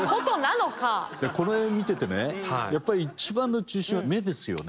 この絵見ててねやっぱり一番の中心は目ですよね。